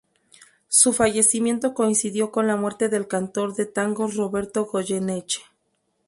Su fallecimiento coincidió con la muerte del cantor de tangos Roberto Goyeneche.